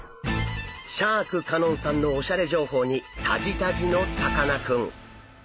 シャーク香音さんのおしゃれ情報にタジタジのさかなクン。